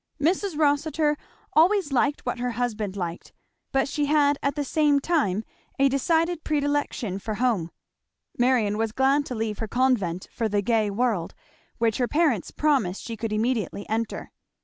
Mrs. Rossitur always liked what her husband liked, but she had at the same time a decided predilection for home. Marion was glad to leave her convent for the gay world, which her parents promised she should immediately enter.